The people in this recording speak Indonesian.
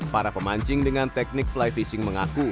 para pemancing dengan teknik fly fishing mengaku